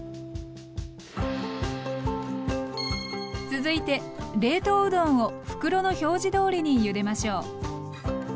続いて冷凍うどんを袋の表示どおりにゆでましょう。